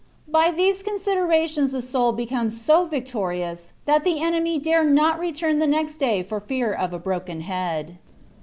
By these considerations the soul becomes so victorious, that the enemy dare not return the next day for fear of a broken head.